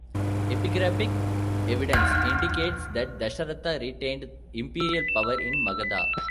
Epigraphic evidence indicates that Dasharatha retained imperial power in Magadha.